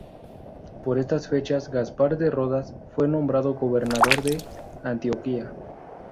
Por esas fechas, Gaspar de Rodas fue nombrado gobernador de Antioquia.